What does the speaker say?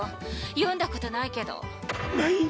読んだことないけど。